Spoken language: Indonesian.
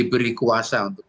beri kuasa untuk